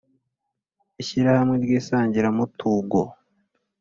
ishyirahamwe ry isangiramutugo